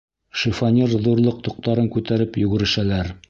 Шифоньер ҙурлыҡ тоҡтарын күтәреп йүгерешәләр.